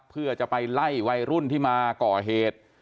เพื่อจะไปไล่วัยรุ่นที่มาก่อเหตุ